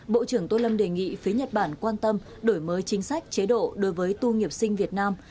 bộ trưởng tô lâm đề nghị phía nhật bản quan tâm đổi mới chính sách chế độ đối với tu nghiệp sinh việt nam